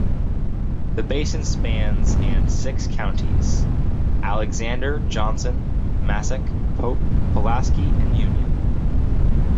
The basin spans and six counties: Alexander, Johnson, Massac, Pope, Pulaski and Union.